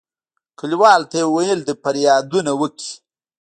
کلیوالو ته یې ویل د فریادونه وکړي.